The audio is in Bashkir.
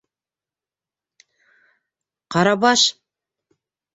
- Ҡарабаш!